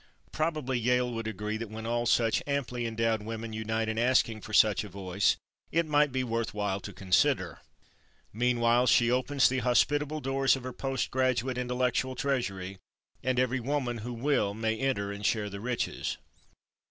Probably Yale would agree that when all such amply endowed women unite in asking for such a voice, it might be worth while to consider. Meanwhile she opens the hospitable doors of her post graduate intellectual treasury, and every woman who will may enter and share the riches.